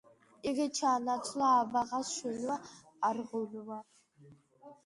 იგი ჩაანაცვლა აბაღას შვილმა, არღუნმა.